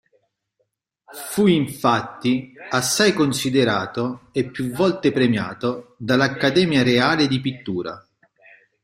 Fu infatti assai considerato e più volte premiato dall"'Accademia reale di pittura".